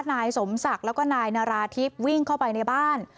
นายสมศักดิ์แล้วก็นายนาราธิบวิ่งเข้าไปในบ้าน